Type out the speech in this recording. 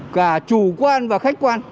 cả chủ quan và khách quan